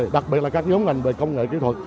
đặc biệt là các nhóm ngành về công nghệ kỹ thuật